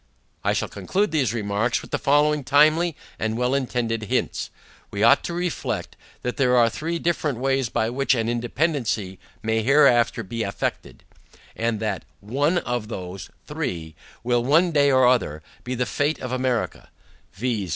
I shall conclude these remarks, with the following timely and well intended hints. We ought to reflect, that there are three different ways, by which an independancy may hereafter be effected; and that ONE of those THREE, will one day or other, be the fate of America, viz.